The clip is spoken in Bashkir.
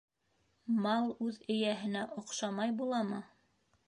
- Мал үҙ эйәһенә оҡшамай буламы?